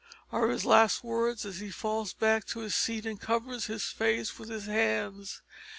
are his last words as he falls back in his seat and covers his face with his hands.